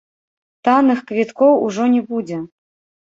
Танных квіткоў ужо не будзе.